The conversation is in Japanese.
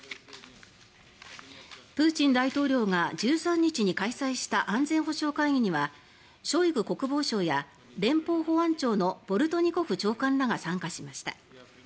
プーチン大統領が１３日に開催した安全保障会議にはショイグ国防相や連邦保安庁のボルトニコフ長官らが参加しました。